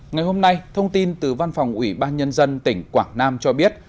ngày hôm nay thông tin từ văn phòng ủy ban nhân dân tỉnh quảng nam cho biết